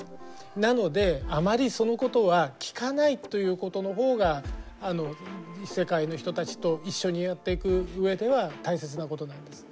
なのであまりそのことは聞かないということのほうが世界の人たちと一緒にやっていく上では大切なことなんです。